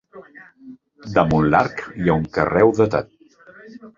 Damunt l'arc hi ha un carreu datat.